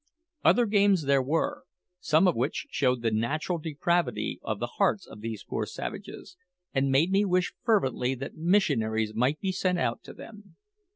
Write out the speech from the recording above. Other games there were, some of which showed the natural depravity of the hearts of these poor savages, and made me wish fervently that missionaries might be sent out to them.